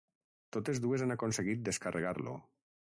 Totes dues han aconseguit descarregar-lo.